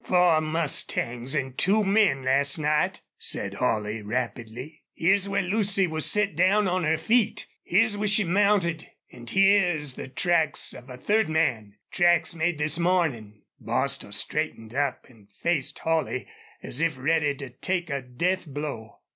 "Four mustangs an' two men last night," said Holley, rapidly. "Here's where Lucy was set down on her feet. Here's where she mounted.... An' here's the tracks of a third man tracks made this mornin'." Bostil straightened up and faced Holley as if ready to take a death blow.